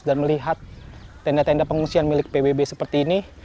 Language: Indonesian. dan melihat tenda tenda pengungsian milik pbb seperti ini